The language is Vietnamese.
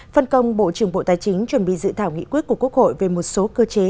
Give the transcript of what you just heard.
phân công bộ trưởng bộ tài chính chuẩn bị dự thảo nghị quyết của quốc hội về một số cơ chế